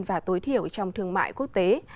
và tối thiểu trong thương mại quốc tế